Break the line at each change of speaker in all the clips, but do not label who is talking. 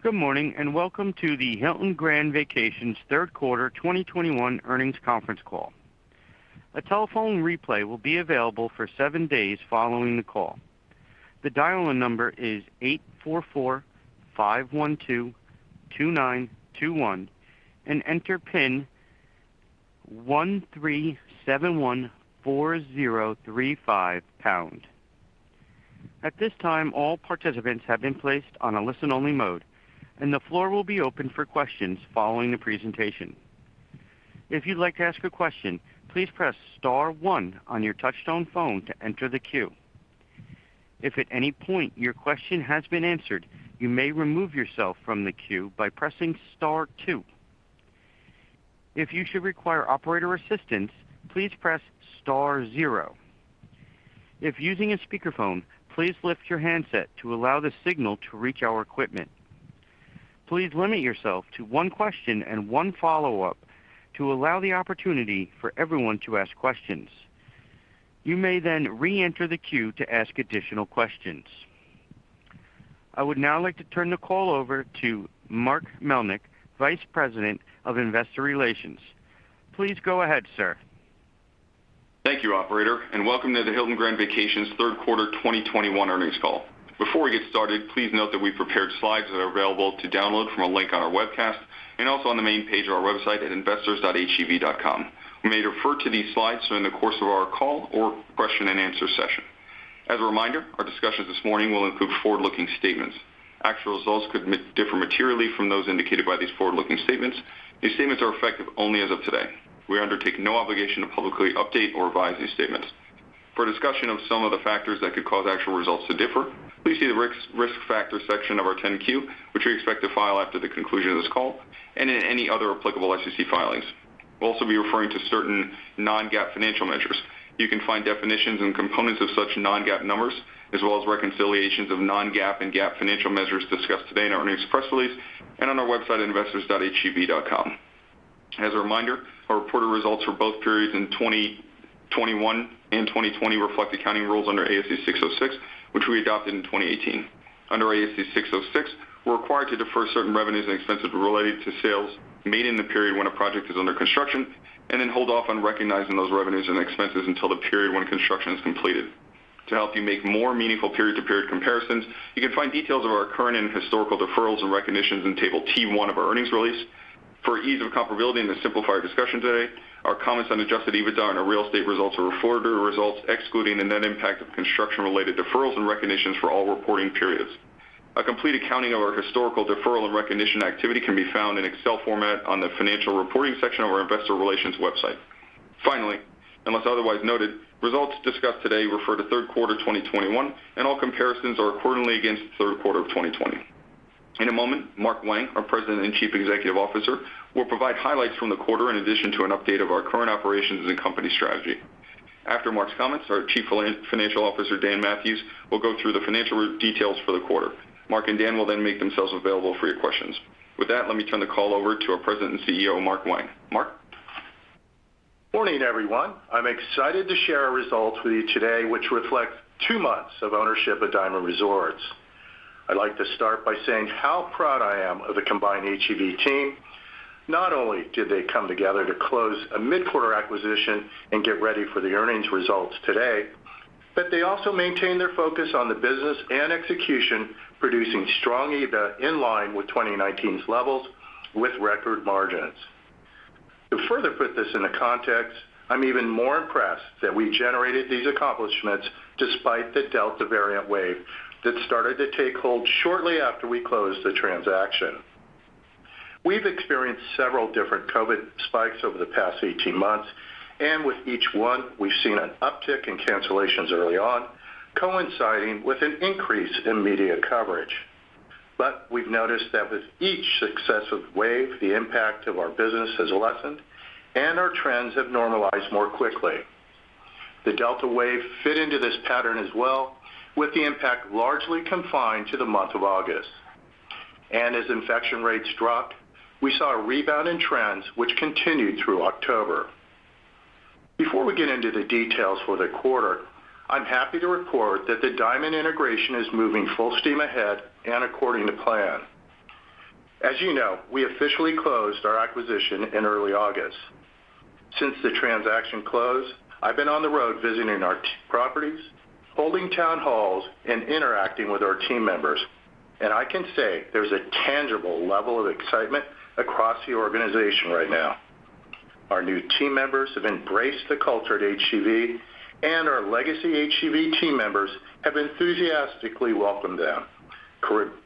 Good morning, and welcome to the Hilton Grand Vacations Third Quarter 2021 Earnings Conference Call. A telephone replay will be available for seven days following the call. The dial-in number is 844-512-2921 and enter PIN 13714035#. At this time, all participants have been placed on a listen-only mode, and the floor will be open for questions following the presentation. If you'd like to ask a question, please press star one on your touchtone phone to enter the queue. If at any point your question has been answered, you may remove yourself from the queue by pressing star two. If you should require operator assistance, please press star zero. If using a speakerphone, please lift your handset to allow the signal to reach our equipment. Please limit yourself to one question and one follow-up to allow the opportunity for everyone to ask questions. You may then re-enter the queue to ask additional questions. I would now like to turn the call over to Mark Melnyk, Vice President of Investor Relations. Please go ahead, sir.
Thank you, operator, and welcome to the Hilton Grand Vacations Third Quarter 2021 Earnings Call. Before we get started, please note that we prepared slides that are available to download from a link on our webcast and also on the main page of our website at investors.hgv.com. We may refer to these slides during the course of our call or question and answer session. As a reminder, our discussions this morning will include forward-looking statements. Actual results could differ materially from those indicated by these forward-looking statements. These statements are effective only as of today. We undertake no obligation to publicly update or revise these statements. For a discussion of some of the factors that could cause actual results to differ, please see the risk factor section of our 10-Q, which we expect to file after the conclusion of this call, and in any other applicable SEC filings. We'll also be referring to certain non-GAAP financial measures. You can find definitions and components of such non-GAAP numbers, as well as reconciliations of non-GAAP and GAAP financial measures discussed today in our earnings press release and on our website, investors.hgv.com. As a reminder, our reported results for both periods in 2021 and 2020 reflect accounting rules under ASC 606, which we adopted in 2018. Under ASC 606, we're required to defer certain revenues and expenses related to sales made in the period when a project is under construction, and then hold off on recognizing those revenues and expenses until the period when construction is completed. To help you make more meaningful period-to-period comparisons, you can find details of our current and historical deferrals and recognitions in table T-1 of our earnings release. For ease of comparability and to simplify our discussion today, our comments on adjusted EBITDA and our real estate results are reported results excluding the net impact of construction-related deferrals and recognitions for all reporting periods. A complete accounting of our historical deferral and recognition activity can be found in Excel format on the financial reporting section of our investor relations website. Finally, unless otherwise noted, results discussed today refer to third quarter 2021, and all comparisons are accordingly against third quarter of 2020. In a moment, Mark Wang, our President and Chief Executive Officer, will provide highlights from the quarter in addition to an update of our current operations and company strategy. After Mark's comments, our Chief Financial Officer, Dan Mathewes, will go through the financial details for the quarter. Mark and Dan will then make themselves available for your questions. With that, let me turn the call over to our President and CEO, Mark Wang. Mark?
Morning, everyone. I'm excited to share our results with you today, which reflect two months of ownership at Diamond Resorts. I'd like to start by saying how proud I am of the combined HGV team. Not only did they come together to close a mid-quarter acquisition and get ready for the earnings results today, but they also maintained their focus on the business and execution, producing strong EBIT in line with 2019's levels with record margins. To further put this into context, I'm even more impressed that we generated these accomplishments despite the Delta variant wave that started to take hold shortly after we closed the transaction. We've experienced several different COVID spikes over the past 18 months, and with each one, we've seen an uptick in cancellations early on, coinciding with an increase in media coverage. We've noticed that with each successive wave, the impact of our business has lessened and our trends have normalized more quickly. The Delta wave fit into this pattern as well, with the impact largely confined to the month of August. As infection rates dropped, we saw a rebound in trends which continued through October. Before we get into the details for the quarter, I'm happy to report that the Diamond integration is moving full steam ahead and according to plan. As you know, we officially closed our acquisition in early August. Since the transaction closed, I've been on the road visiting our properties, holding town halls, and interacting with our team members. I can say there's a tangible level of excitement across the organization right now. Our new team members have embraced the culture at HGV, and our Legacy-HGV team members have enthusiastically welcomed them,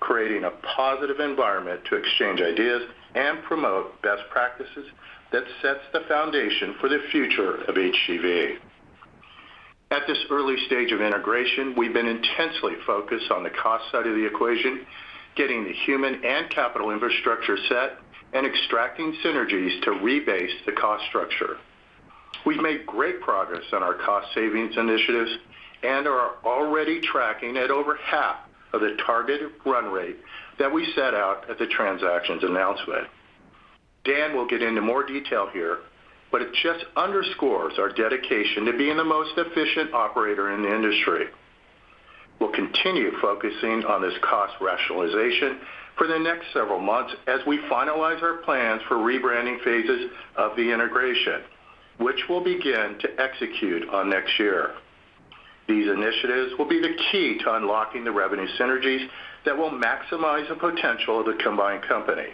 creating a positive environment to exchange ideas and promote best practices that sets the foundation for the future of HGV. At this early stage of integration, we've been intensely focused on the cost side of the equation, getting the human and capital infrastructure set, and extracting synergies to rebase the cost structure. We've made great progress on our cost savings initiatives and are already tracking at over half of the target run rate that we set out at the transactions announcement. Dan will get into more detail here, but it just underscores our dedication to being the most efficient operator in the industry. We'll continue focusing on this cost rationalization for the next several months as we finalize our plans for rebranding phases of the integration, which we'll begin to execute on next year. These initiatives will be the key to unlocking the revenue synergies that will maximize the potential of the combined company.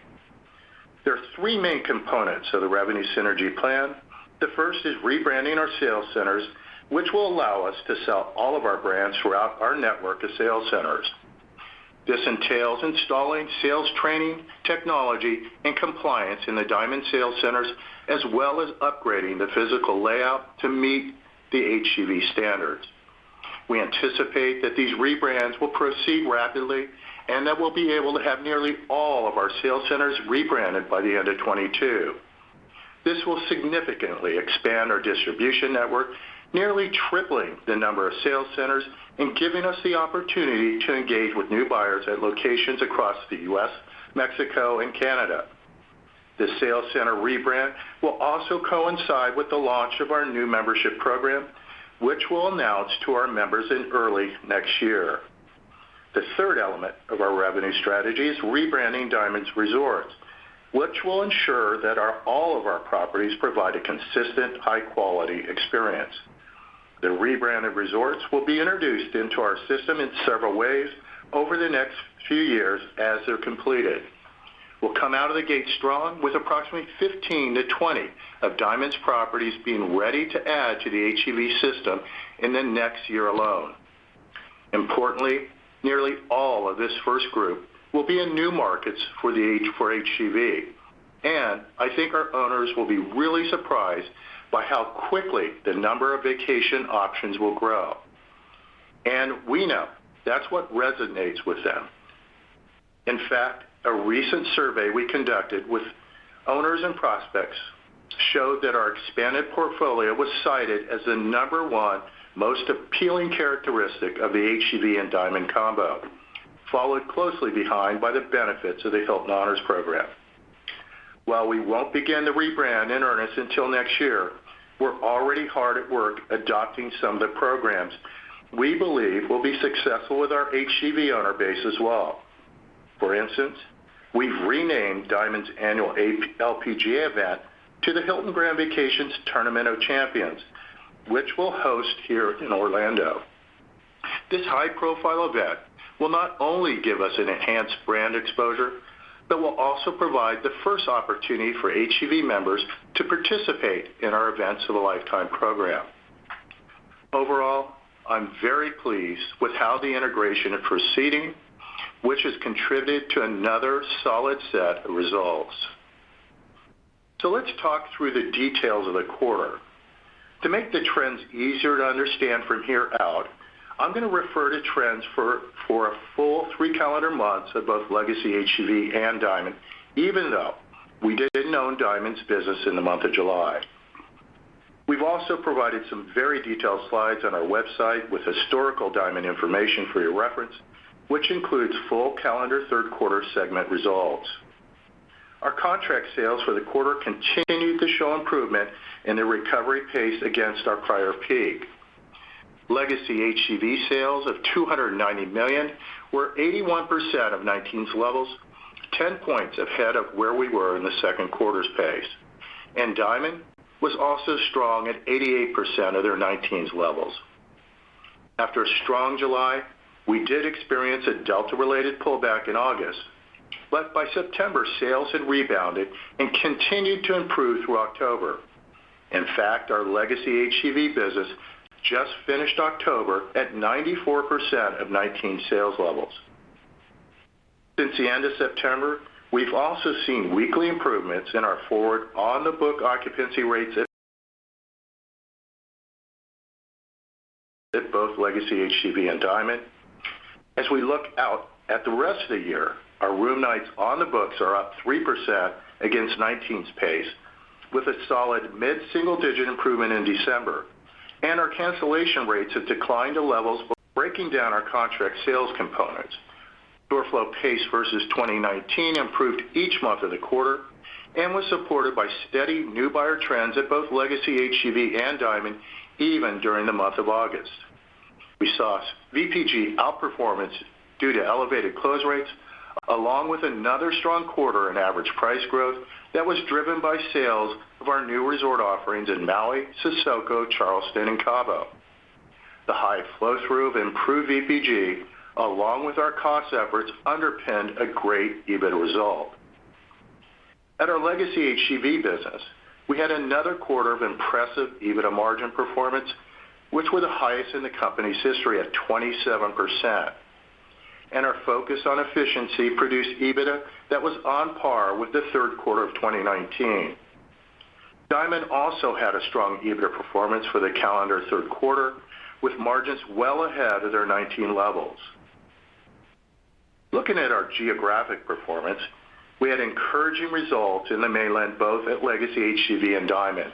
There are three main components of the revenue synergy plan. The first is rebranding our sales centers, which will allow us to sell all of our brands throughout our network of sales centers. This entails installing sales training, technology, and compliance in the Diamond sales centers, as well as upgrading the physical layout to meet the HGV standards. We anticipate that these rebrands will proceed rapidly, and that we'll be able to have nearly all of our sales centers rebranded by the end of 2022. This will significantly expand our distribution network, nearly tripling the number of sales centers and giving us the opportunity to engage with new buyers at locations across the U.S., Mexico, and Canada. The sales center rebrand will also coincide with the launch of our new membership program, which we'll announce to our members in early next year. The third element of our revenue strategy is rebranding Diamond's resorts, which will ensure that all of our properties provide a consistent high-quality experience. The rebranded resorts will be introduced into our system in several ways over the next few years as they're completed. We'll come out of the gate strong with approximately 15-20 of Diamond's properties being ready to add to the HGV system in the next year alone. Importantly, nearly all of this first group will be in new markets for HGV. I think our owners will be really surprised by how quickly the number of vacation options will grow. We know that's what resonates with them. In fact, a recent survey we conducted with owners and prospects showed that our expanded portfolio was cited as the number one most appealing characteristic of the HGV and Diamond combo, followed closely behind by the benefits of the Hilton Honors program. While we won't begin the rebrand in earnest until next year, we're already hard at work adopting some of the programs we believe will be successful with our HGV owner base as well. For instance, we've renamed Diamond's annual LPGA event to the Hilton Grand Vacations Tournament of Champions, which we'll host here in Orlando. This high-profile event will not only give us an enhanced brand exposure, but will also provide the first opportunity for HGV members to participate in our Events of a Lifetime program. Overall, I'm very pleased with how the integration is proceeding, which has contributed to another solid set of results. Let's talk through the details of the quarter. To make the trends easier to understand from here out, I'm gonna refer to trends for a full three calendar months of both Legacy-HGV and Diamond, even though we didn't own Diamond's business in the month of July. We've also provided some very detailed slides on our website with historical Diamond information for your reference, which includes full calendar third quarter segment results. Our contract sales for the quarter continued to show improvement in the recovery pace against our prior peak. Legacy-HGV sales of $290 million were 81% of 2019's levels, 10 points ahead of where we were in the second quarter's pace. Diamond was also strong at 88% of their 2019's levels. After a strong July, we did experience a delta-related pullback in August, but by September, sales had rebounded and continued to improve through October. In fact, our Legacy-HGV business just finished October at 94% of 2019 sales levels. Since the end of September, we've also seen weekly improvements in our forward on-the-book occupancy rates at both Legacy-HGV and Diamond. As we look out at the rest of the year, our room nights on the books are up 3% against 2019's pace, with a solid mid-single-digit improvement in December, and our cancellation rates have declined to levels. Breaking down our contract sales components, tour flow pace versus 2019 improved each month of the quarter and was supported by steady new buyer trends at both Legacy-HGV and Diamond, even during the month of August. We saw VPG outperformance due to elevated close rates, along with another strong quarter in average price growth that was driven by sales of our new resort offerings in Maui, Sesoko, Charleston, and Cabo. The high flow-through of improved VPG, along with our cost efforts, underpinned a great EBIT result. At our Legacy-HGV business, we had another quarter of impressive EBITDA margin performance, which were the highest in the company's history at 27%, and our focus on efficiency produced EBITDA that was on par with the third quarter of 2019. Diamond also had a strong EBITDA performance for the calendar third quarter, with margins well ahead of their 2019 levels. Looking at our geographic performance, we had encouraging results in the mainland, both at Legacy-HGV and Diamond.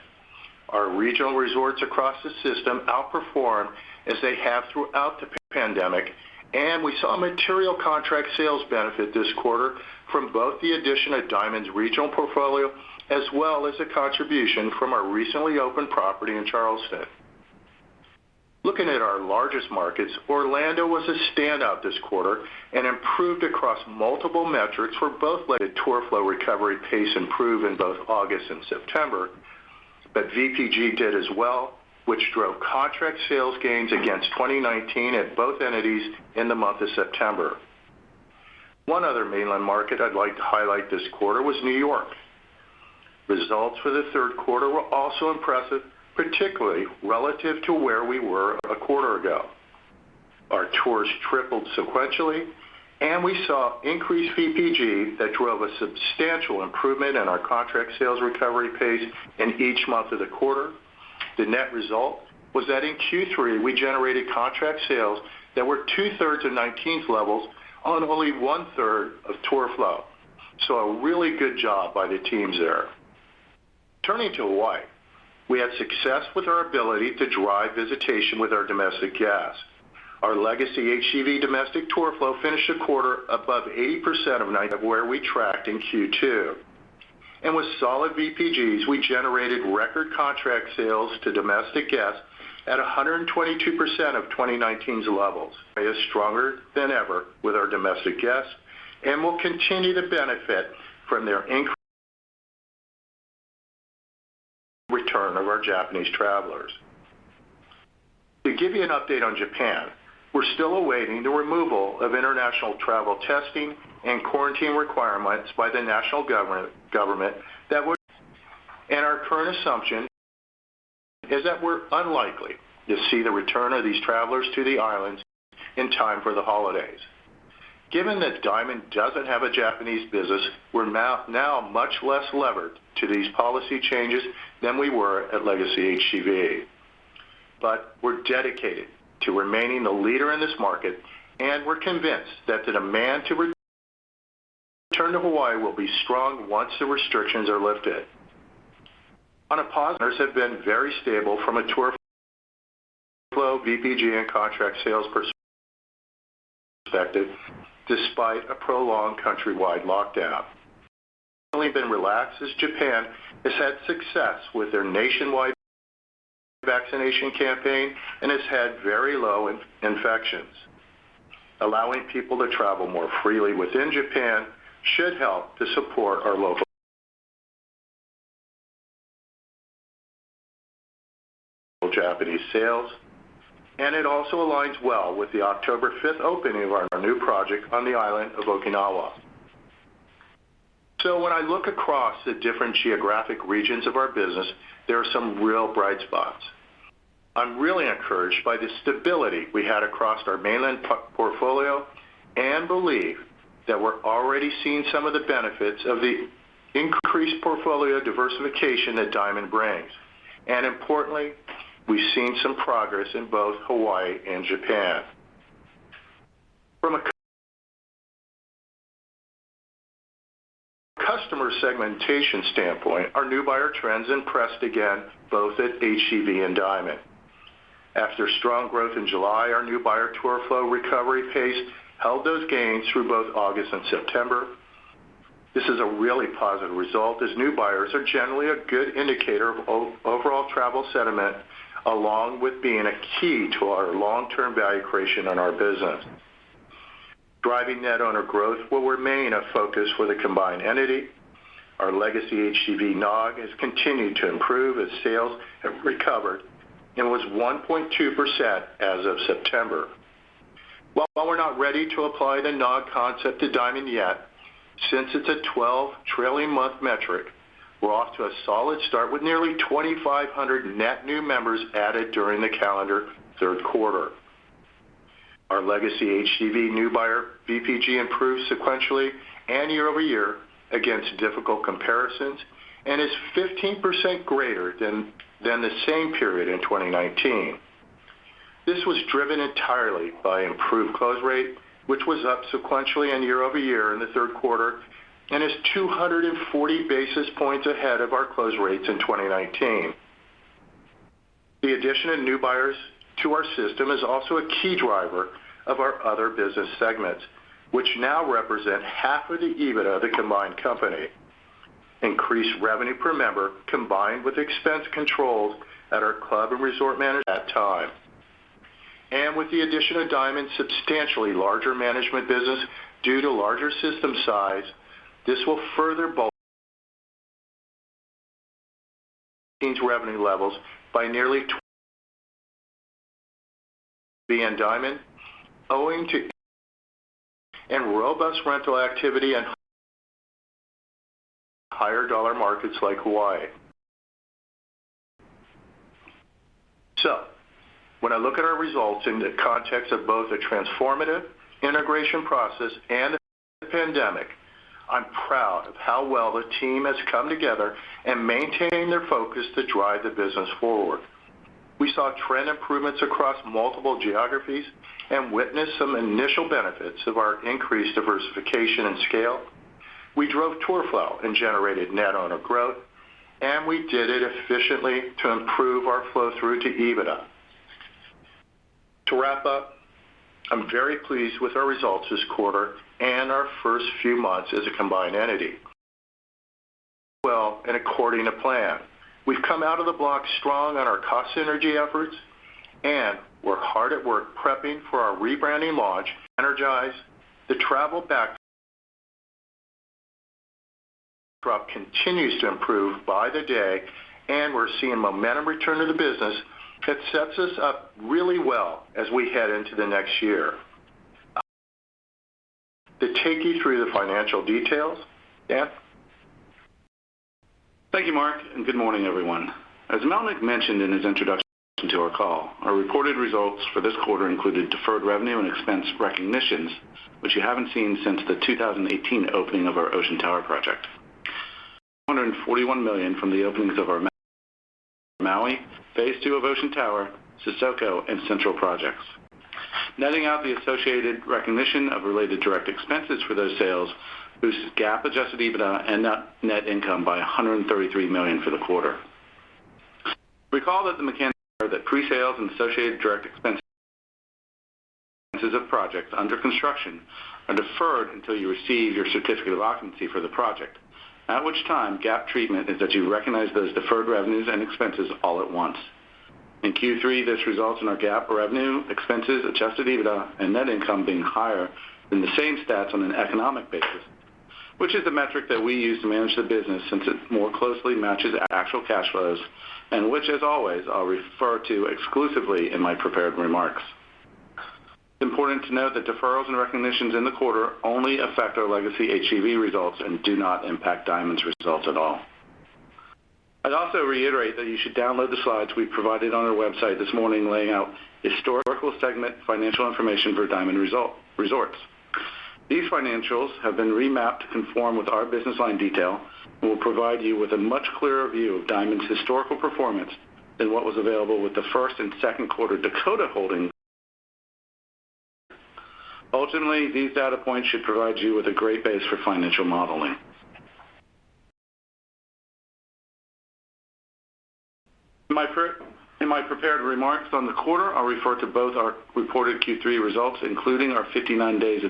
Our regional resorts across the system outperformed as they have throughout the pandemic, and we saw a material contract sales benefit this quarter from both the addition of Diamond's regional portfolio as well as a contribution from our recently opened property in Charleston. Looking at our largest markets, Orlando was a standout this quarter and improved across multiple metrics for both tour flow recovery pace, improved in both August and September, but VPG did as well, which drove contract sales gains against 2019 at both entities in the month of September. One other mainland market I'd like to highlight this quarter was New York. Results for the third quarter were also impressive, particularly relative to where we were a quarter ago. Our tours tripled sequentially, and we saw increased VPG that drove a substantial improvement in our contract sales recovery pace in each month of the quarter. The net result was that in Q3, we generated contract sales that were 2/3 of 2019's levels on only 1/3 of tour flow. A really good job by the teams there. Turning to Hawaii, we had success with our ability to drive visitation with our domestic guests. Our Legacy-HGV domestic tour flow finished a quarter above 80% of where we tracked in Q2. With solid VPGs, we generated record contract sales to domestic guests at 122% of 2019's levels is stronger than ever with our domestic guests and will continue to benefit from their increased return of our Japanese travelers. To give you an update on Japan, we're still awaiting the removal of international travel testing and quarantine requirements by the national government that would end and our current assumption is that we're unlikely to see the return of these travelers to the islands in time for the holidays. Given that Diamond doesn't have a Japanese business, we're now much less levered to these policy changes than we were at Legacy-HGV. We're dedicated to remaining the leader in this market, and we're convinced that the demand to return to Hawaii will be strong once the restrictions are lifted. Our sales have been very stable from a tour flow, VPG, and contract sales perspective despite a prolonged countrywide lockdown. The restrictions have been relaxed as Japan has had success with their nationwide vaccination campaign and has had very low infections. Allowing people to travel more freely within Japan should help to support our local Japanese sales, and it also aligns well with the October fifth opening of our new project on the island of Okinawa. When I look across the different geographic regions of our business, there are some real bright spots. I'm really encouraged by the stability we had across our mainland portfolio and believe that we're already seeing some of the benefits of the increased portfolio diversification that Diamond brings. Importantly, we've seen some progress in both Hawaii and Japan. From a customer segmentation standpoint, our new buyer trends impressed again, both at HGV and Diamond. After strong growth in July, our new buyer tour flow recovery pace held those gains through both August and September. This is a really positive result as new buyers are generally a good indicator of overall travel sentiment, along with being a key to our long-term value creation in our business. Driving net owner growth will remain a focus for the combined entity. Our Legacy-HGV NOG has continued to improve as sales have recovered and was 1.2% as of September. While we're not ready to apply the NOG concept to Diamond yet, since it's a 12 trailing month metric, we're off to a solid start with nearly 2,500 net new members added during the calendar third quarter. Our Legacy-HGV new buyer VPG improved sequentially and year-over-year against difficult comparisons and is 15% greater than the same period in 2019. This was driven entirely by improved close rate, which was up sequentially and year-over-year in the third quarter and is 240 basis points ahead of our close rates in 2019. The addition of new buyers to our system is also a key driver of our other business segments, which now represent half of the EBITDA of the combined company. Increased revenue per member combined with expense controls at our club and resort management at that time. With the addition of Diamond's substantially larger management business due to larger system size, this will further bolster revenue levels by nearly 20% and Diamond owing to robust rental activity and higher-dollar markets like Hawaii. When I look at our results in the context of both a transformative integration process and pandemic, I'm proud of how well the team has come together in maintaining their focus to drive the business forward. We saw trend improvements across multiple geographies and witnessed some initial benefits of our increased diversification and scale. We drove tour flow and generated net owner growth, and we did it efficiently to improve our flow through to EBITDA. To wrap up, I'm very pleased with our results this quarter and our first few months as a combined entity. Well, according to plan, we've come out of the blocks strong on our cost synergy efforts, and we're hard at work prepping for our rebranding launch, and the travel backdrop continues to improve by the day, and we're seeing momentum return to the business that sets us up really well as we head into the next year. To take you through the financial details, Dan?
Thank you, Mark, and good morning, everyone. As Melnick mentioned in his introduction to our call, our reported results for this quarter included deferred revenue and expense recognitions, which you haven't seen since the 2018 opening of our Ocean Tower project. $241 million from the openings of our Maui, phase II of Ocean Tower, Sesoko, and Central projects. Netting out the associated recognition of related direct expenses for those sales boosts GAAP adjusted EBITDA and net income by $133 million for the quarter. Recall that the mechanics are that presales and associated direct expenses of projects under construction are deferred until you receive your certificate of occupancy for the project. At which time, GAAP treatment is that you recognize those deferred revenues and expenses all at once. In Q3, this results in our GAAP revenue, expenses, adjusted EBITDA, and net income being higher than the same stats on an economic basis, which is the metric that we use to manage the business since it more closely matches actual cash flows, and which, as always, I'll refer to exclusively in my prepared remarks. Important to note that deferrals and recognitions in the quarter only affect our Legacy-HGV results and do not impact Diamond Resorts results at all. I'd also reiterate that you should download the slides we provided on our website this morning laying out historical segment financial information for Diamond Resorts. These financials have been remapped to conform with our business line detail and will provide you with a much clearer view of Diamond's historical performance than what was available with the first and second quarter Dakota Holdings. Ultimately, these data points should provide you with a great base for financial modeling. In my prepared remarks on the quarter, I'll refer to both our reported Q3 results, including our 59 days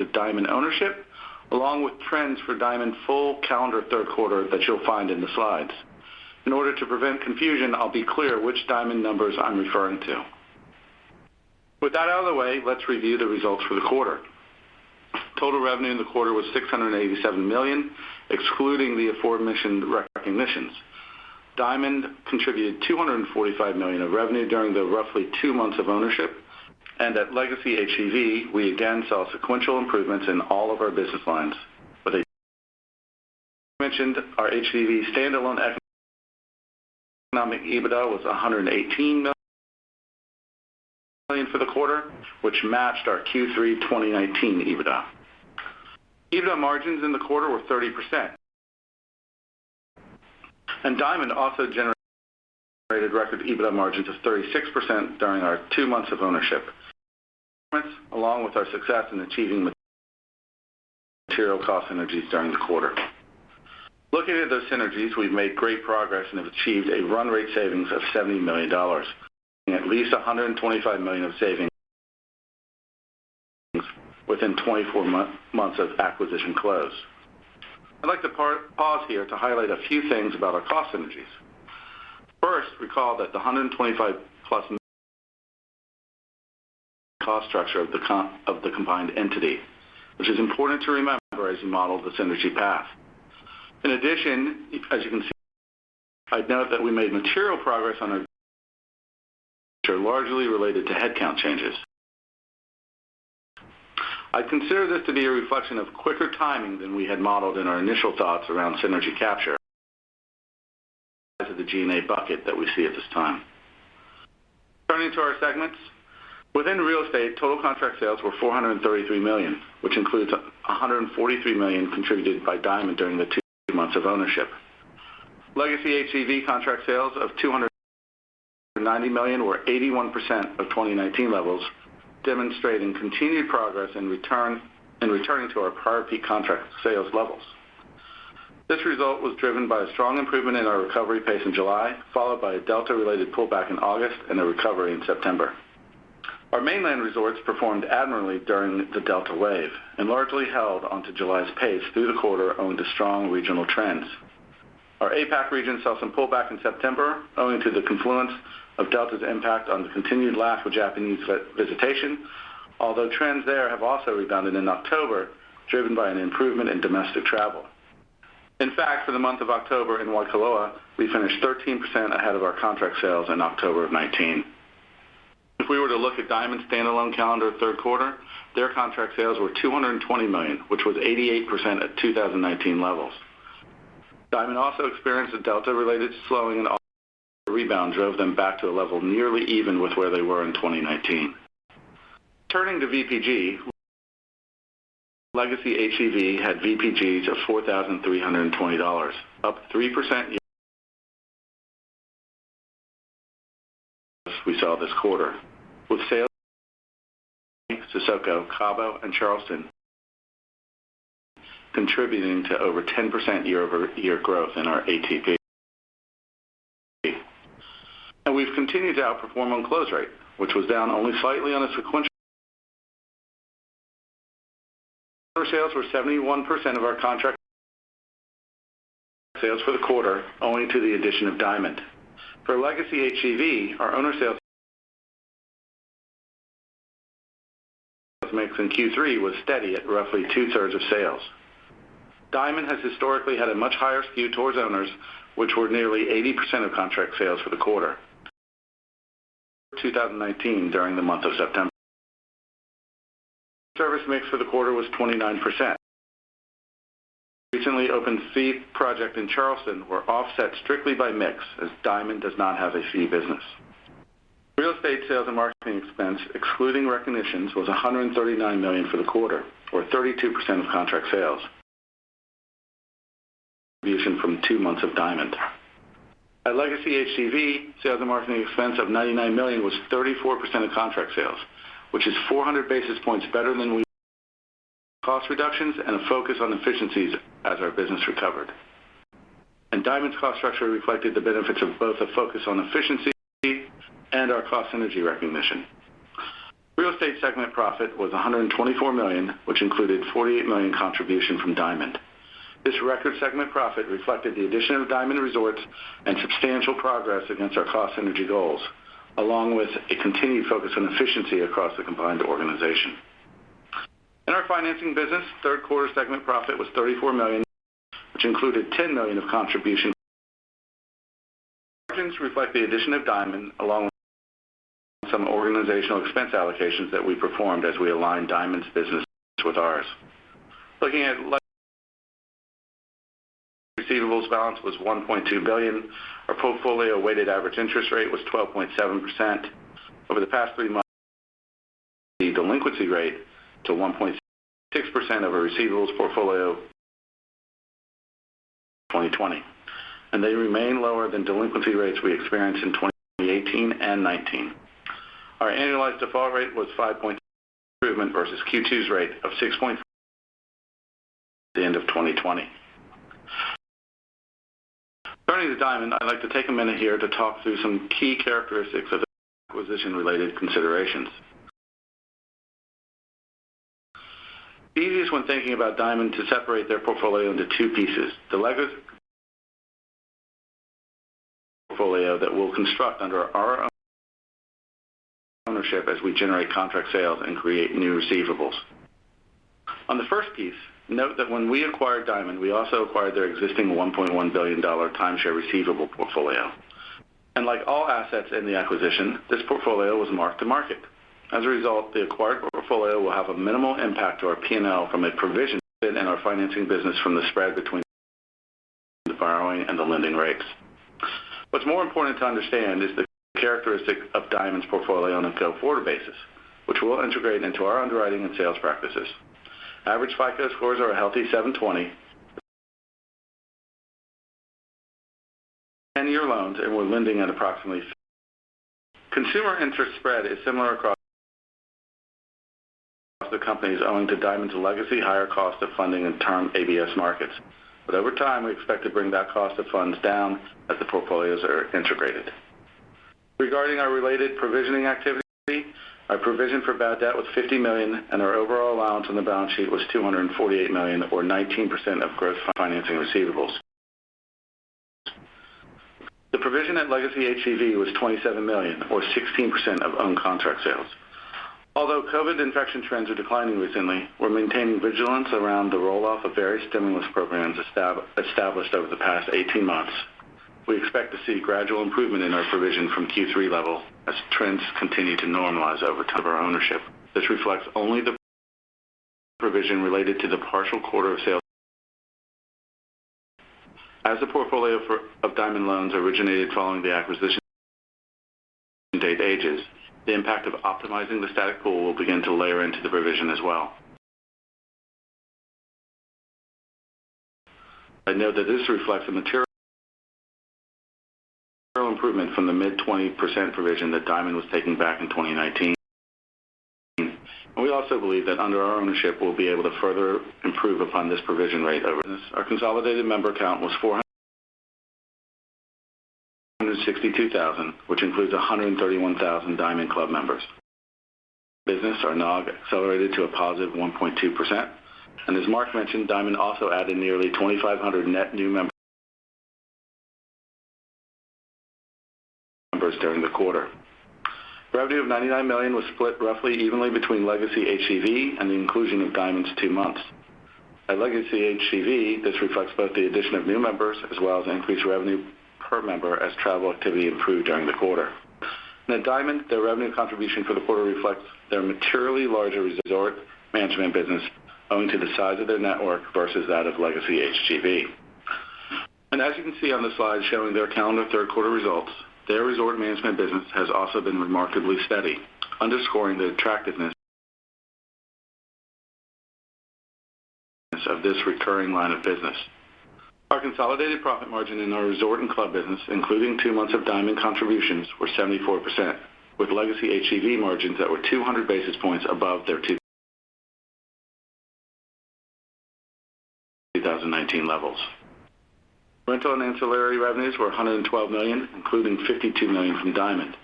of Diamond ownership, along with trends for Diamond full calendar third quarter that you'll find in the slides. In order to prevent confusion, I'll be clear which Diamond numbers I'm referring to. With that out of the way, let's review the results for the quarter. Total revenue in the quarter was $687 million, excluding the aforementioned recognitions. Diamond contributed $245 million of revenue during the roughly two months of ownership. At Legacy-HGV, we again saw sequential improvements in all of our business lines. As mentioned, our HGV standalone economic EBITDA was $118 million for the quarter, which matched our Q3 2019 EBITDA. EBITDA margins in the quarter were 30%. Diamond also generated record EBITDA margins of 36% during our two months of ownership, along with our success in achieving material cost synergies during the quarter. Looking at those synergies, we've made great progress and have achieved a run rate savings of $70 million, at least $125 million of savings within 24 months of acquisition close. I'd like to pause here to highlight a few things about our cost synergies. First, recall that the $125+ cost structure of the combined entity, which is important to remember as you model the synergy path. In addition, as you can see, I'd note that we made material progress on our synergies, which are largely related to headcount changes. I consider this to be a reflection of quicker timing than we had modeled in our initial thoughts around synergy capture in the G&A bucket that we see at this time. Turning to our segments. Within Real Estate, total contract sales were $433 million, which includes $143 million contributed by Diamond during the two months of ownership. Legacy-HGV contract sales of $290 million were 81% of 2019 levels, demonstrating continued progress in returning to our prior peak contract sales levels. This result was driven by a strong improvement in our recovery pace in July, followed by a Delta-related pullback in August and a recovery in September. Our Mainland resorts performed admirably during the Delta wave and largely held onto July's pace through the quarter owing to strong regional trends. Our APAC region saw some pullback in September, owing to the confluence of Delta's impact on the continued lack of Japanese visa visitation, although trends there have also rebounded in October, driven by an improvement in domestic travel. In fact, for the month of October in Waikoloa, we finished 13% ahead of our contract sales in October 2019. If we were to look at Diamond standalone calendar third quarter, their contract sales were $220 million, which was 88% at 2019 levels. Diamond also experienced a Delta-related slowing in August. Rebound drove them back to a level nearly even with where they were in 2019. Turning to VPG Legacy-HGV had VPGs of $4,320, up 3% year-over-year we saw this quarter, with sales Sesoko, Cabo, and Charleston contributing to over 10% year-over-year growth in our ATP. We've continued to outperform on close rate, which was down only slightly on a sequential basis. Sales were 71% of our contract sales for the quarter owing to the addition of Diamond. For Legacy-HGV, our owner sales mix in Q3 was steady at roughly 2/3 of sales. Diamond has historically had a much higher skew towards owners, which were nearly 80% of contract sales for the quarter 2019 during the month of September. Service mix for the quarter was 29%. Recently opened fee project in Charleston were offset strictly by mix as Diamond does not have a fee business. Real estate sales and marketing expense, excluding recognitions, was $139 million for the quarter, or 32% of contract sales from two months of Diamond. At Legacy-HGV, sales and marketing expense of $99 million was 34% of contract sales, which is 400 basis points better than expected with cost reductions and a focus on efficiencies as our business recovered. Diamond's cost structure reflected the benefits of both a focus on efficiency and our cost synergy recognition. Real Estate segment profit was $124 million, which included $48 million contribution from Diamond. This record segment profit reflected the addition of Diamond Resorts and substantial progress against our cost synergy goals, along with a continued focus on efficiency across the combined organization. In our financing business, third quarter segment profit was $34 million, which included $10 million of contribution margins reflecting the addition of Diamond Resorts, along with some organizational expense allocations that we performed as we aligned Diamond Resorts's business with ours. Looking at net receivables balance was $1.2 billion. Our portfolio weighted average interest rate was 12.7%. Over the past three months the delinquency rate to 1.6% of our receivables portfolio 2020, and they remain lower than delinquency rates we experienced in 2018 and 2019. Our annualized default rate was 5% versus Q2's rate of 6% the end of 2020. Turning to Diamond, I'd like to take a minute here to talk through some key characteristics of acquisition related considerations. It's easiest when thinking about Diamond to separate their portfolio into two pieces. The legacy portfolio that we'll construct under our own ownership as we generate contract sales and create new receivables. On the first piece, note that when we acquired Diamond, we also acquired their existing $1.1 billion timeshare receivable portfolio. Like all assets in the acquisition, this portfolio was marked to market. As a result, the acquired portfolio will have a minimal impact to our P&L from a provision in our financing business from the spread between the borrowing and the lending rates. What's more important to understand is the characteristic of Diamond's portfolio on a go-forward basis, which we'll integrate into our underwriting and sales practices. Average FICO scores are a healthy 720 loans, and we're lending at approximately. Consumer interest spread is similar across the companies owing to Diamond's legacy higher cost of funding in term ABS markets. Over time, we expect to bring that cost of funds down as the portfolios are integrated. Regarding our related provisioning activity, our provision for bad debt was $50 million, and our overall allowance on the balance sheet was $248 million, or 19% of gross financing receivables. The provision at Legacy-HGV was $27 million, or 16% of own contract sales. Although COVID infection trends are declining recently, we're maintaining vigilance around the roll-off of various stimulus programs established over the past 18 months. We expect to see gradual improvement in our provision from Q3 level as trends continue to normalize over time of our ownership. This reflects only the provision related to the partial quarter of sales. As the portfolio of Diamond loans originated following the acquisition dates, the impact of optimizing the static pool will begin to layer into the provision as well. I note that this reflects a material improvement from the mid-20% provision that Diamond was taking back in 2019. We also believe that under our ownership, we'll be able to further improve upon this provision rate over our consolidated member count was 462,000, which includes 131,000 Diamond club members. Business, our NOG, accelerated to a +1.2%. As Mark mentioned, Diamond also added nearly 2,500 net new members during the quarter. Revenue of $99 million was split roughly evenly between Legacy-HGV and the inclusion of Diamond's two months. At Legacy-HGV, this reflects both the addition of new members as well as increased revenue per member as travel activity improved during the quarter. Now Diamond, their revenue contribution for the quarter reflects their materially larger resort management business owing to the size of their network versus that of Legacy-HGV. As you can see on the slide showing their calendar third quarter results, their resort management business has also been remarkably steady, underscoring the attractiveness of this recurring line of business. Our consolidated profit margin in our resort and club business, including two months of Diamond contributions, were 74%, with Legacy-HGV margins that were 200 basis points above their 2019 levels. Rental and ancillary revenues were $112 million, including $52 million from Diamond.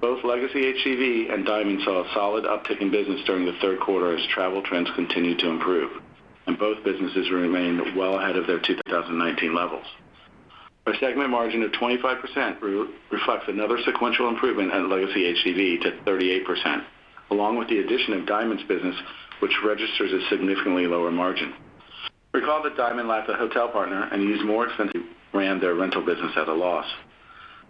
Both Legacy-HGV and Diamond saw a solid uptick in business during the third quarter as travel trends continued to improve, and both businesses remained well ahead of their 2019 levels. Our segment margin of 25% reflects another sequential improvement at Legacy-HGV to 38%, along with the addition of Diamond's business, which registers a significantly lower margin. Recall that Diamond lacked a hotel partner and used more expensive branded rental business at a loss.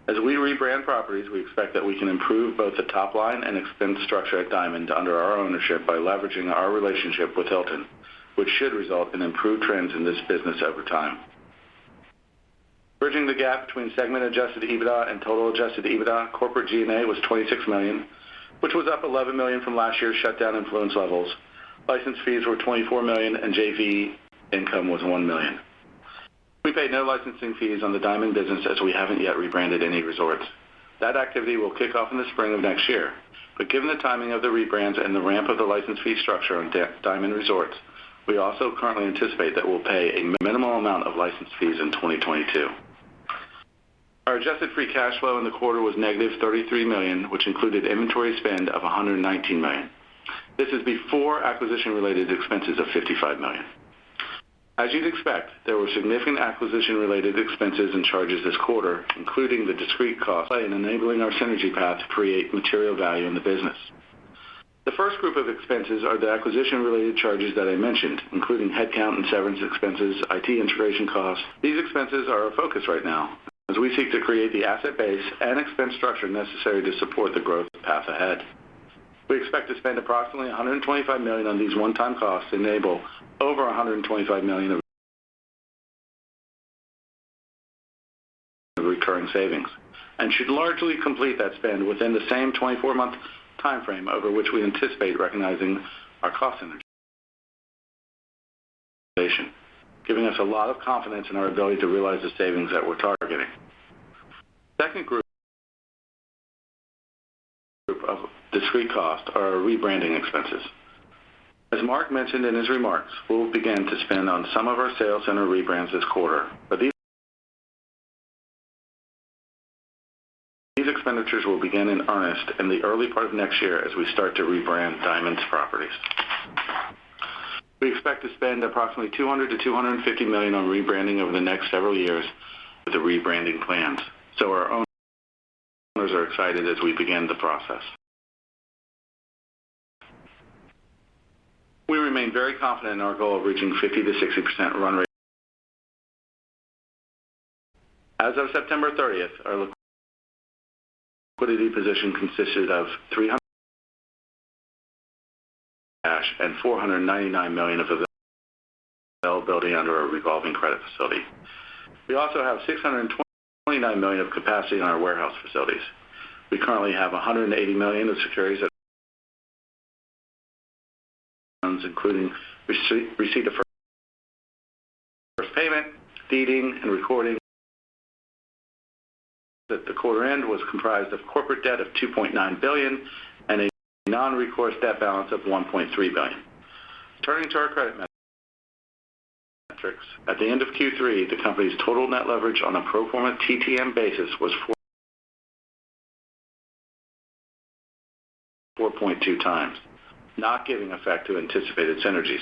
We rebrand properties, we expect that we can improve both the top line and expense structure at Diamond under our ownership by leveraging our relationship with Hilton, which should result in improved trends in this business over time. Bridging the gap between segment adjusted EBITDA and total adjusted EBITDA, corporate G&A was $26 million, which was up $11 million from last year's shutdown-influenced levels. License fees were $24 million and JV income was $1 million. We paid no licensing fees on the Diamond business as we haven't yet rebranded any resorts. That activity will kick off in the spring of next year. Given the timing of the rebrands and the ramp of the license fee structure on Diamond Resorts, we also currently anticipate that we'll pay a minimal amount of license fees in 2022. Our adjusted free cash flow in the quarter was -$33 million, which included inventory spend of $119 million. This is before acquisition related expenses of $55 million. As you'd expect, there were significant acquisition related expenses and charges this quarter, including the discrete costs, plus enabling our synergy path to create material value in the business. The first group of expenses are the acquisition related charges that I mentioned, including headcount and severance expenses, IT integration costs. These expenses are our focus right now as we seek to create the asset base and expense structure necessary to support the growth path ahead. We expect to spend approximately $125 million on these one-time costs to enable over $125 million of recurring savings, and should largely complete that spend within the same 24-month time frame over which we anticipate recognizing our cost synergies. Giving us a lot of confidence in our ability to realize the savings that we're targeting. Second group of discrete costs are our rebranding expenses. As Mark mentioned in his remarks, we'll begin to spend on some of our sales center rebrands this quarter. These expenditures will begin in earnest in the early part of next year as we start to rebrand Diamond's properties. We expect to spend approximately $200 million-$250 million on rebranding over the next several years with the rebranding plans. Our owners are excited as we begin the process. We remain very confident in our goal of reaching 50%-60% run rate. As of September 30th, our liquidity position consisted of $390 million of cash and $499 million of availability under a revolving credit facility. We also have $629 million of capacity in our warehouse facilities. We currently have $180 million of securities at fair value. Funds including receipt of first payment, ceding, and recording. At the quarter end, the company was comprised of corporate debt of $2.9 billion and a non-recourse debt balance of $1.3 billion. Turning to our credit metrics. At the end of Q3, the company's total net leverage on a pro forma TTM basis was 4.2x, not giving effect to anticipated synergies.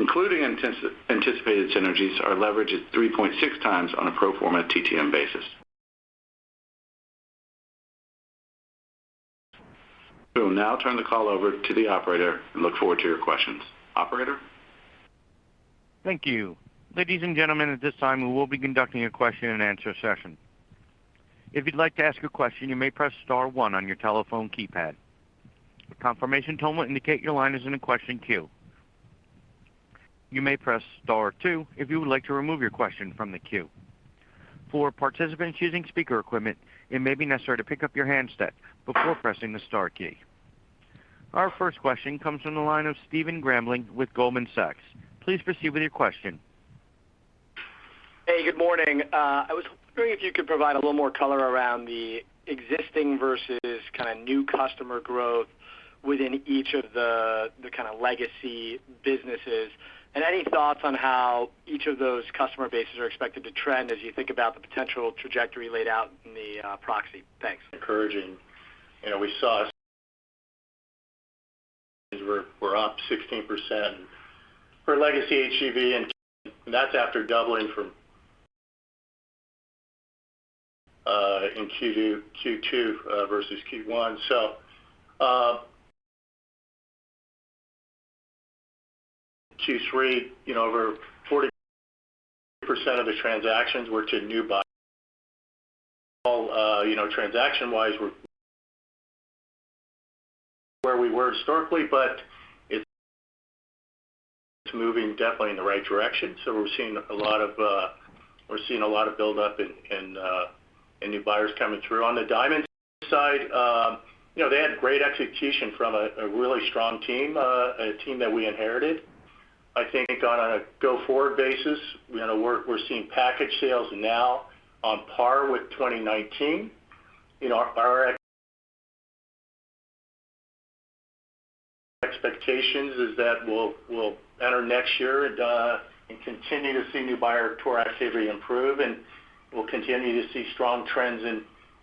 Including anticipated synergies, our leverage is 3.6x on a pro forma TTM basis. We will now turn the call over to the operator and look forward to your questions. Operator?
Thank you. Ladies and gentlemen, at this time, we will be conducting a question and answer session. If you'd like to ask a question, you may press star one on your telephone keypad. A confirmation tone will indicate your line is in a question queue. You may press star two if you would like to remove your question from the queue. For participants using speaker equipment, it may be necessary to pick up your handset before pressing the star key. Our first question comes from the line of Stephen Grambling with Goldman Sachs. Please proceed with your question.
Hey, good morning. I was wondering if you could provide a little more color around the existing versus kinda new customer growth within each of the kinda legacy businesses. Any thoughts on how each of those customer bases are expected to trend as you think about the potential trajectory laid out in the proxy? Thanks.
Encouraging. You know, we're up 16% for Legacy-HGV and that's after doubling from in Q2 versus Q1. Q3, you know over 40% of the transactions were to new buyers. All, you know, transaction-wise we're Where we were historically, but it's moving definitely in the right direction. We're seeing a lot of build up and new buyers coming through. On the Diamond side, you know, they had great execution from a really strong team, a team that we inherited. I think on a go-forward basis, you know, we're seeing package sales now on par with 2019. You know, our expectations is that we'll enter next year and continue to see new buyer tour activity improve, and we'll continue to see strong trends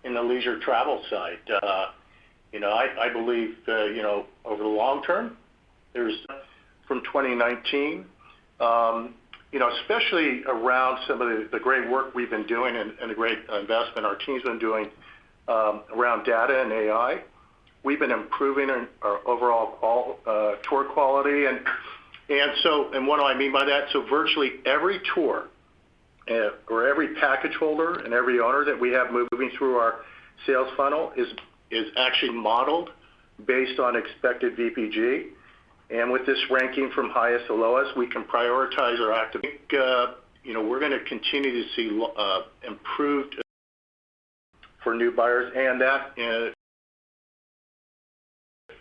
in the leisure travel side. You know, I believe, you know, over the long term, from 2019, especially around some of the great work we've been doing and the great investment our team's been doing, around data and AI. We've been improving our overall tour quality. What do I mean by that? Virtually every tour or every package holder and every owner that we have moving through our sales funnel is actually modeled based on expected VPG. With this ranking from highest to lowest, we can prioritize our. You know, we're gonna continue to see improved for new buyers, and that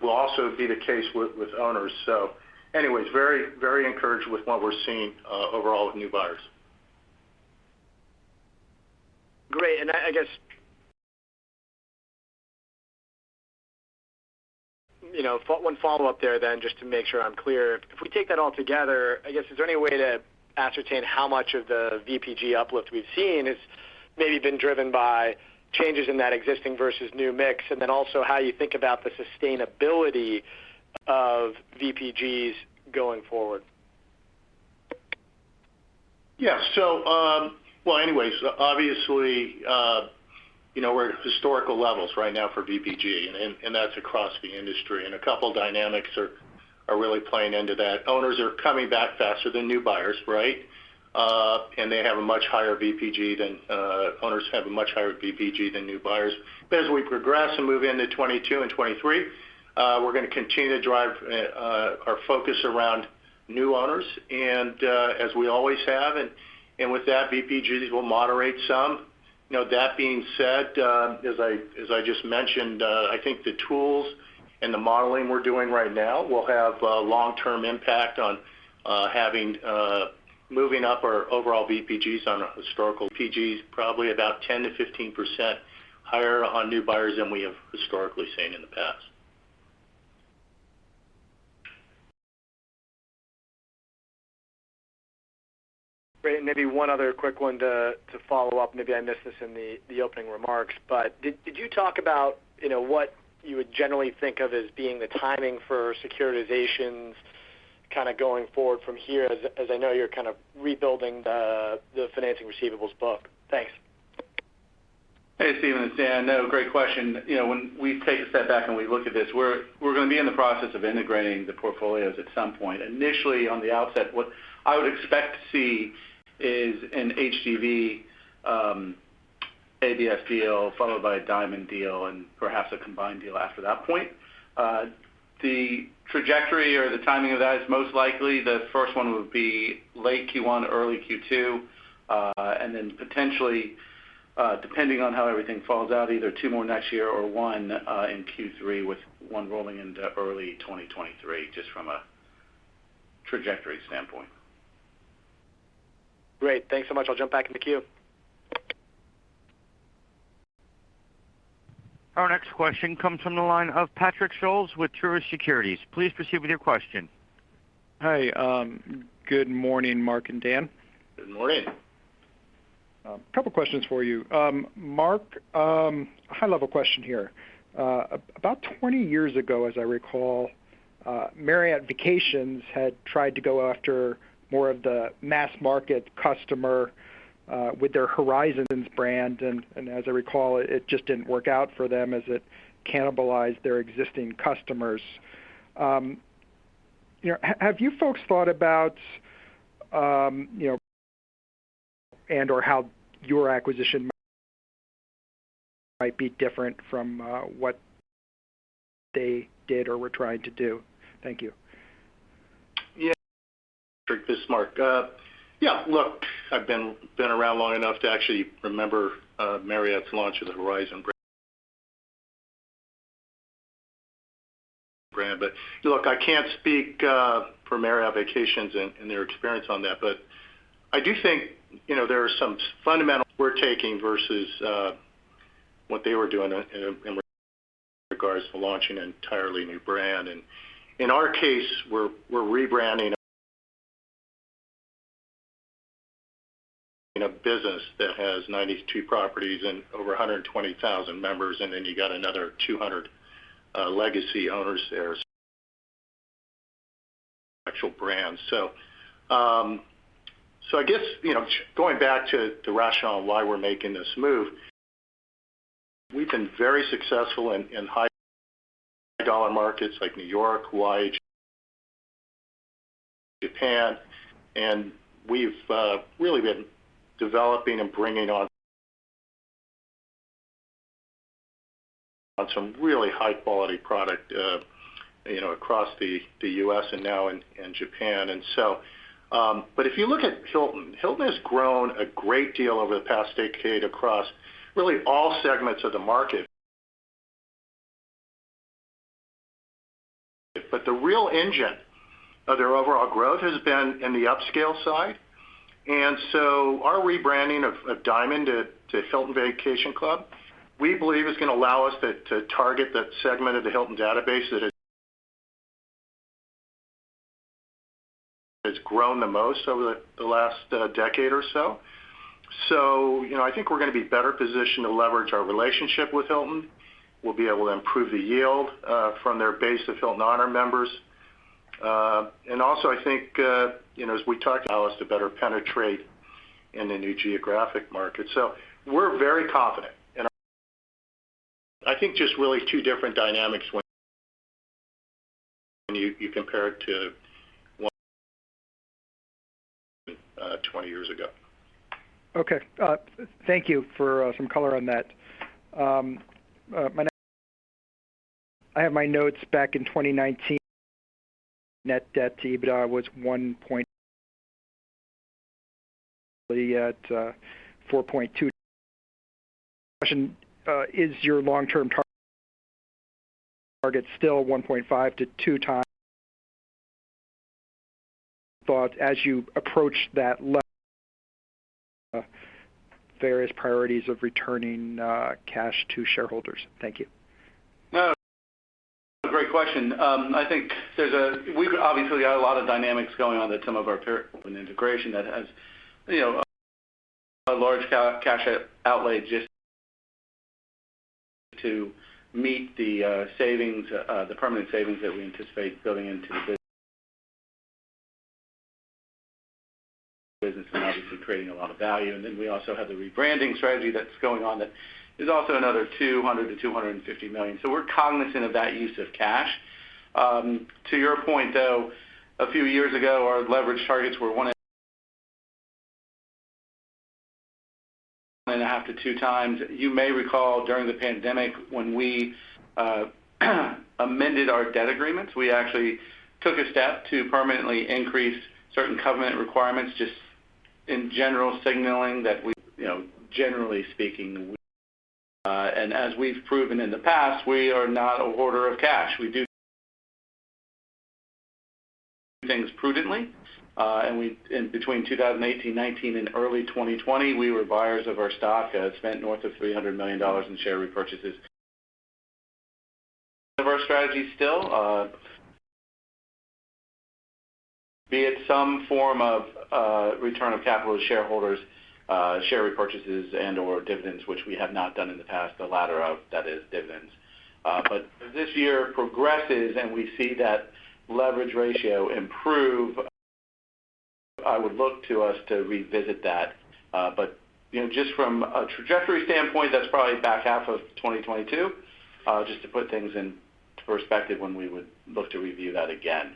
will also be the case with owners. Anyways, very encouraged with what we're seeing, overall with new buyers.
Great. I guess. You know, one follow-up there then, just to make sure I'm clear. If we take that all together, I guess, is there any way to ascertain how much of the VPG uplift we've seen is maybe been driven by changes in that existing versus new mix, and then also how you think about the sustainability of VPGs going forward?
Obviously, you know, we're at historical levels right now for VPG, and that's across the industry. A couple dynamics are really playing into that. Owners are coming back faster than new buyers, right? They have a much higher VPG than new buyers. As we progress and move into 2022 and 2023, we're gonna continue to drive our focus around new owners and as we always have. With that, VPGs will moderate some. You know, that being said, as I just mentioned, I think the tools and the modeling we're doing right now will have a long-term impact on moving up our overall VPGs than historical VPGs, probably about 10%-15% higher on new buyers than we have historically seen in the past.
Great. Maybe one other quick one to follow up. Maybe I missed this in the opening remarks. Did you talk about, you know, what you would generally think of as being the timing for securitizations kinda going forward from here, as I know you're kind of rebuilding the financing receivables book? Thanks.
Hey, Stephen, it's Dan. No, great question. You know, when we take a step back and we look at this, we're gonna be in the process of integrating the portfolios at some point. Initially, on the outset, what I would expect to see is an HGV ABS deal, followed by a Diamond deal and perhaps a combined deal after that point. The trajectory or the timing of that is most likely the first one would be late Q1, early Q2, and then potentially, depending on how everything falls out, either two more next year or one in Q3 with one rolling into early 2023, just from a trajectory standpoint.
Great. Thanks so much. I'll jump back in the queue.
Our next question comes from the line of Patrick Scholes with Truist Securities. Please proceed with your question.
Hi. Good morning, Mark and Dan.
Good morning.
Couple questions for you. Mark, high-level question here. About 20 years ago, as I recall, Marriott Vacations had tried to go after more of the mass market customer, with their Horizons brand. As I recall, it just didn't work out for them as it cannibalized their existing customers. You know, have you folks thought about, you know, and/or how your acquisition might be different from, what they did or were trying to do? Thank you.
Yeah. This is Mark. Look, I've been around long enough to actually remember Marriott's launch of the Horizons brand. Look, I can't speak for Marriott Vacations and their experience on that. I do think, you know, there are some fundamentals we're taking versus what they were doing in regards to launching an entirely new brand. In our case, we're rebranding a business that has 92 properties and over 120,000 members, and then you got another 200 legacy owners there, actual brands. I guess, you know, going back to the rationale of why we're making this move, we've been very successful in high dollar markets like New York, Hawaii, Japan, and we've really been developing and bringing on some really high quality product, you know, across the U.S. and now in Japan. If you look at Hilton, it has grown a great deal over the past decade across really all segments of the market. The real engine of their overall growth has been in the upscale side. Our rebranding of Diamond to Hilton Vacation Club, we believe is gonna allow us to target that segment of the Hilton database that has grown the most over the last decade or so. I think we're gonna be better positioned to leverage our relationship with Hilton. We'll be able to improve the yield from their base of Hilton Honors members. Also I think, you know, as we talked about, it will allow us to better penetrate in the new geographic markets. We're very confident. I think just really two different dynamics when you compare it to 120 years ago.
Okay. Thank you for some color on that. I have my notes back in 2019, net debt to EBITDA was 4.2x. Question, is your long-term target still 1.5x-2x? Though as you approach that level, various priorities of returning cash to shareholders. Thank you.
No, great question. I think we obviously got a lot of dynamics going on that some of our peer integration that has, you know, a large cash outlay just to meet the savings, the permanent savings that we anticipate building into the business and obviously creating a lot of value. We also have the rebranding strategy that's going on that is also another $200 million-$250 million. So we're cognizant of that use of cash. To your point, though, a few years ago, our leverage targets were 1.5x-2x. You may recall during the pandemic when we amended our debt agreements, we actually took a step to permanently increase certain covenant requirements just in general signaling that we, you know, generally speaking, and as we've proven in the past, we are not a hoarder of cash. We do things prudently, and between 2018, 2019 and early 2020, we were buyers of our stock, spent north of $300 million in share repurchases. Part of our strategy still, be it some form of return of capital to shareholders, share repurchases and/or dividends, which we have not done in the past, the latter of that is dividends. As this year progresses and we see that leverage ratio improve, I would look for us to revisit that.
You know, just from a trajectory standpoint, that's probably back half of 2022, just to put things in perspective when we would look to review that again.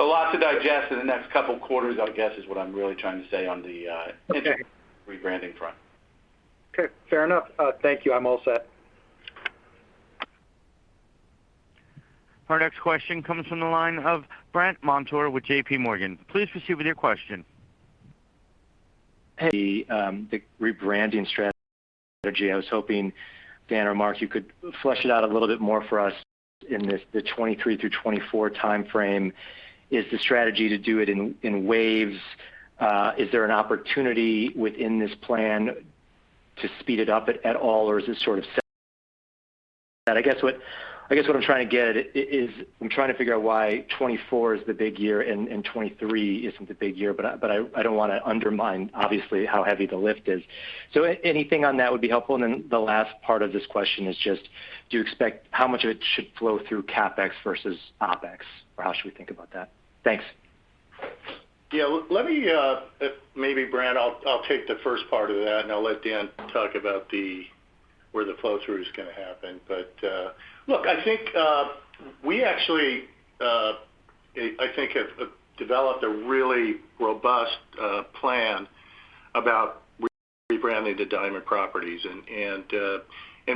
A lot to digest in the next couple quarters, I guess, is what I'm really trying to say on the rebranding front.
Okay. Fair enough. Thank you. I'm all set.
Our next question comes from the line of Brandt Montour with JPMorgan. Please proceed with your question.
Hey, the rebranding strategy, I was hoping, Dan or Mark, you could flesh it out a little bit more for us in this, the 2023 through 2024 timeframe. Is the strategy to do it in waves? Is there an opportunity within this plan to speed it up at all, or is this sort of set? I guess what I'm trying to get at is I'm trying to figure out why 2024 is the big year and 2023 isn't the big year, but I don't wanna undermine obviously how heavy the lift is. Anything on that would be helpful. The last part of this question is just, do you expect how much of it should flow through CapEx versus OpEx, or how should we think about that? Thanks.
Yeah. Let me maybe Brandt, I'll take the first part of that, and I'll let Dan talk about where the flow through is gonna happen. Look, I think we actually I think have developed a really robust plan about rebranding the Diamond properties.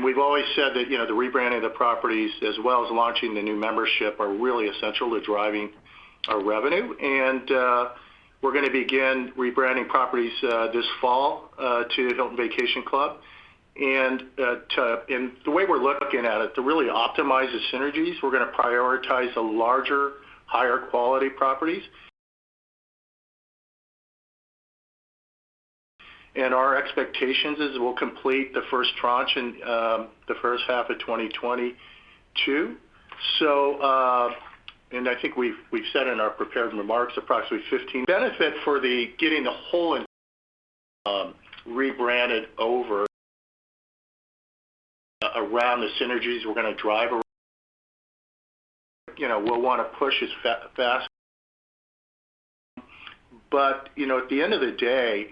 We've always said that, you know, rebranding the properties as well as launching the new membership are really essential to driving our revenue. We're gonna begin rebranding properties this fall to Hilton Vacation Club. The way we're looking at it to really optimize the synergies, we're gonna prioritize the larger, higher quality properties. Our expectations is we'll complete the first tranche in the first half of 2022. I think we've said in our prepared remarks, approximately 15... Benefit from getting the whole rebranded over around the synergies we're gonna drive around, you know, we'll wanna push as fast. You know, at the end of the day,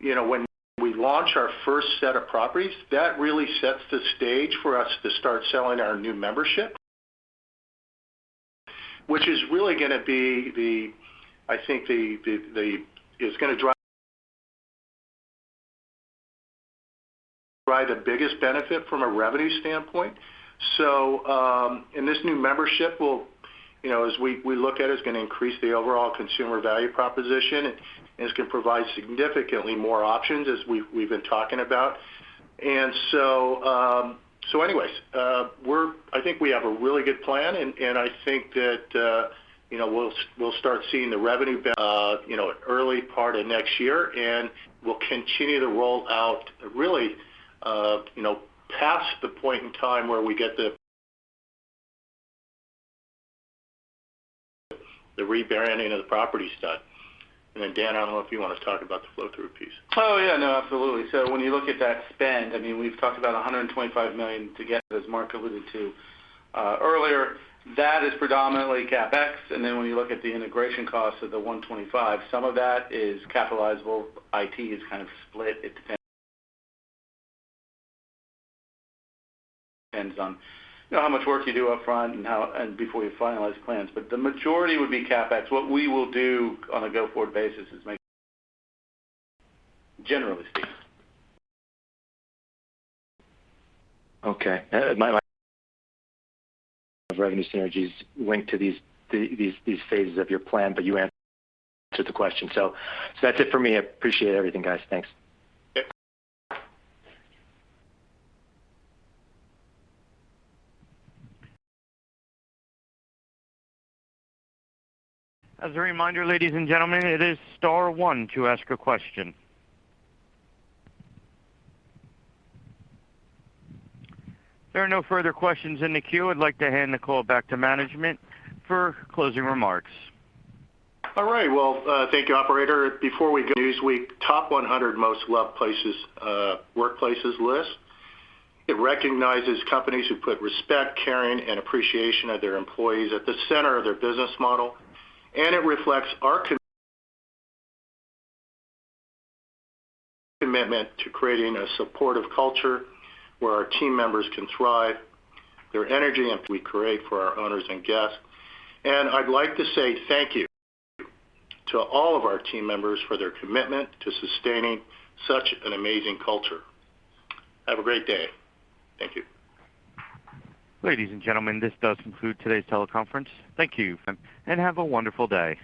you know, when we launch our first set of properties, that really sets the stage for us to start selling our new membership, which is really gonna be, I think, is gonna drive the biggest benefit from a revenue standpoint. This new membership will, you know, as we look at, is gonna increase the overall consumer value proposition, and it's gonna provide significantly more options as we've been talking about. I think we have a really good plan, and I think that, you know, we'll start seeing the revenue, you know, early part of next year, and we'll continue to roll out really, you know, past the point in time where we get the rebranding of the property done. Then, Dan, I don't know if you wanna talk about the flow-through piece.
Oh, yeah. No, absolutely. When you look at that spend, I mean, we've talked about $125 million to get, as Mark alluded to, earlier. That is predominantly CapEx, and then when you look at the integration cost of the $125 million, some of that is capitalizable. IT is kind of split. It depends on how much work you do upfront and before you finalize plans. But the majority would be CapEx. What we will do on a go-forward basis is make. Generally speaking.
Okay. My revenue synergies linked to these phases of your plan, but you answered the question. That's it for me. I appreciate everything, guys. Thanks.
Yep.
As a reminder, ladies and gentlemen, it is star one to ask a question. There are no further questions in the queue. I'd like to hand the call back to management for closing remarks.
All right. Well, thank you, operator. Before we go, Newsweek Top 100 Most Loved Workplaces list. It recognizes companies who put respect, caring, and appreciation of their employees at the center of their business model, and it reflects our commitment to creating a supportive culture where our team members can thrive, their energy and we create for our owners and guests. I'd like to say thank you to all of our team members for their commitment to sustaining such an amazing culture. Have a great day. Thank you.
Ladies and gentlemen, this does conclude today's teleconference. Thank you, and have a wonderful day.